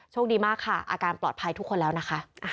ดีมากค่ะอาการปลอดภัยทุกคนแล้วนะคะ